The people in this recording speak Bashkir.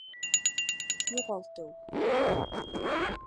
Юғалтыу.